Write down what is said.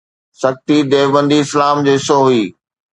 سختي ديوبندي اسلام جو حصو هئي.